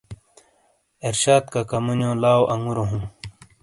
ارشاد کَکا مُونِیو لاؤ اَنگُورو ہوں۔